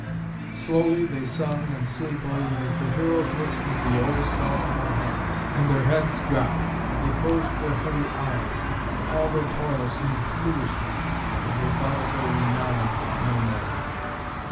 Slowly they sung and sleepily, and as the heroes listened the oars fell from their hands, and their heads dropped, and they closed their heavy eyes, and all their toil seemed foolishness, and they thought of their renown no more.